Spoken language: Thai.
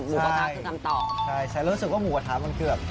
หมูกระทะคือคำตอบใช่ใช่แล้วรู้สึกว่าหมูกระทะมันเกือบ